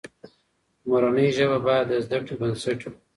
مورنۍ ژبه باید د زده کړې بنسټ وي.